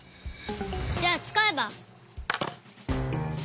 じゃあつかえば。